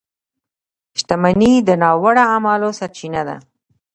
• دښمني د ناوړه اعمالو سرچینه ده.